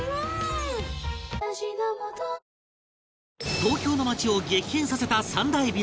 東京の街を激変させた３大ビル